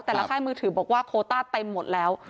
ค่ายมือถือบอกว่าโคต้าเต็มหมดแล้ว